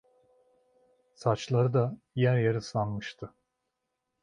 Saçları da yer yer ıslanmıştı.